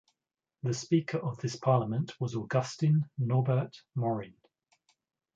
The Speaker of this parliament was Augustin Norbert Morin.